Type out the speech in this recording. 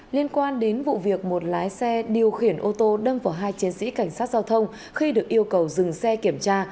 liên quan đến vụ việc một lái xe điều khiển ô tô đâm vào hai chiến sĩ cảnh sát giao thông khi được yêu cầu dừng xe kiểm tra